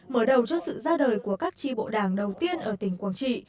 mở đầu cho sự ra đời của các tri bộ đảng đầu tiên ở tỉnh quảng trị